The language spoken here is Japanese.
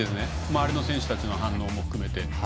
周りの選手たちの反応も含めて。